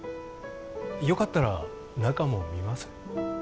よかったら中も見ます？